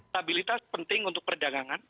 stabilitas penting untuk perdagangan